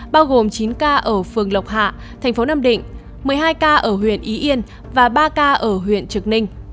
bao gồm chín ca ở phường lộc hạ thành phố nam định một mươi hai ca ở huyện ý yên và ba ca ở huyện trực ninh